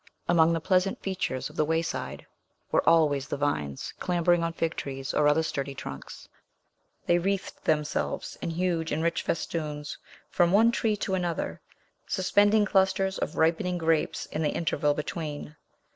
Among the pleasant features of the wayside were always the vines, clambering on fig trees, or other sturdy trunks; they wreathed themselves in huge and rich festoons from one tree to another, suspending clusters of ripening grapes in the interval between.